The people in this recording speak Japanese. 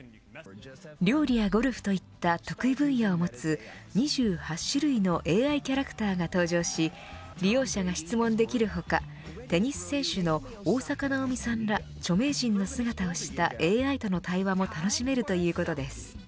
料理やゴルフといった得意分野を持つ２８種類のＡＩキャラクターが登場し利用者が質問できる他テニス選手の大坂なおみさんら著名人の姿をしたＡＩとの対話も楽しめるということです。